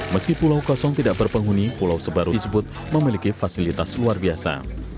meski pulau kosong tidak berpenghuni pulau sebaru disebut memiliki fasilitas luar biasa